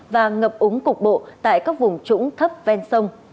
và ngập úng cục bộ tại các vùng trũng thấp ven sông